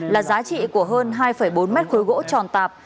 là giá trị của hơn hai bốn mét khối gỗ tròn tạp